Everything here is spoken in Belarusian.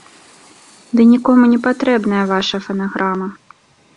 Ды нікому не патрэбная ваша фанаграма!